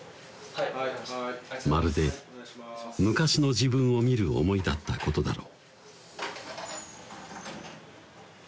まるで昔の自分を見る思いだったことだろう